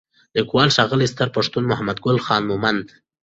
لیکوال: ښاغلی ستر پښتون محمدګل خان مومند